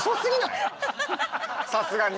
さすがに。